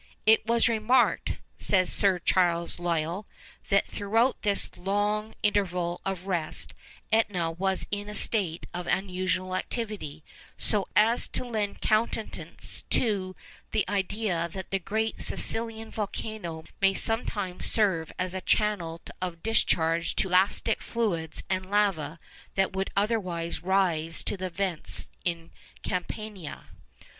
'It was remarked,' says Sir Charles Lyell, 'that throughout this long interval of rest, Etna was in a state of unusual activity, so as to lend countenance to the idea that the great Sicilian volcano may sometimes serve as a channel of discharge to elastic fluids and lava that would otherwise rise to the vents in Campania.